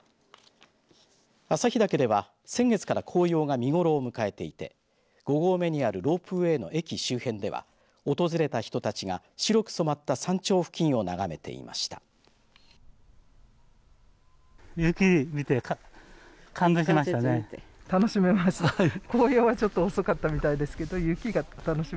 旭岳では先月から紅葉が見頃を迎えていて５合目にあるロープウエーの駅周辺では訪れた人たちが白く染まった山頂付近を眺めていました。